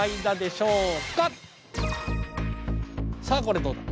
さあこれどうだ？